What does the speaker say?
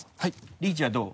リーチはどう？